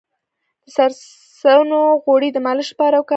د سرسونو غوړي د مالش لپاره وکاروئ